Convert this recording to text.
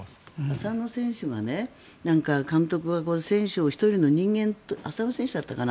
浅野選手が監督が選手を１人の人間として浅野選手だったかな？